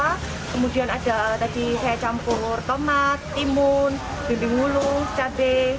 kemudian ada tadi saya campur tomat timun dinding hulu cabai